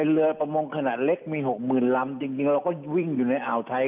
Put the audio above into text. เรือประมงขนาดเล็กมี๖๐๐๐ลำจริงเราก็วิ่งอยู่ในอ่าวไทย